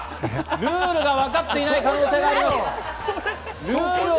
ルールがわかっていない可能性がある。